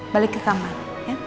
balik ke kamar ya